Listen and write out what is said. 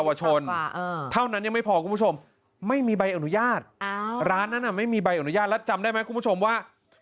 ร้านนั้นน่ะไม่มีใบอนุญาตแล้วจำได้ไหมคุณผู้ชมว่า